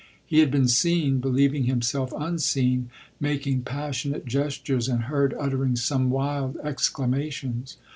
He had been seen, believing himself unseen, making passionate gestures, and heard uttering some wild exclamations.